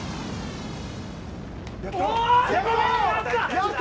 やった！